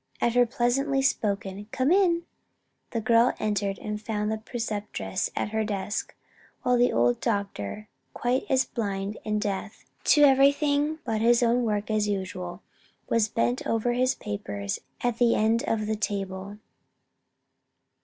At her pleasantly spoken "Come in!" the girl entered and found the Preceptress at her desk, while the old doctor, quite as blind and deaf to everything but his own work as usual, was bent over his papers at the end of the long table.